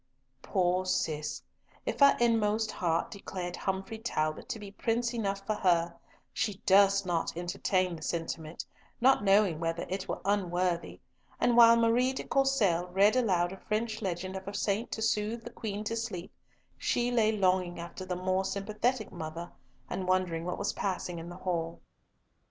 Poor Cis! If her inmost heart declared Humfrey Talbot to be prince enough for her, she durst not entertain the sentiment, not knowing whether it were unworthy, and while Marie de Courcelles read aloud a French legend of a saint to soothe the Queen to sleep, she lay longing after the more sympathetic mother, and wondering what was passing in the hall.